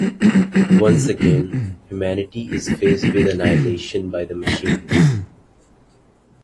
Once again, humanity is faced with annihilation by the machines.